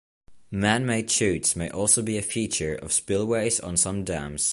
Man-made chutes may also be a feature of spillways on some dams.